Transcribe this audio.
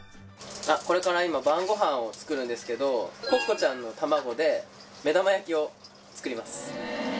これから今晩ご飯を作るんですけどコッコちゃんの卵で目玉焼きを作ります。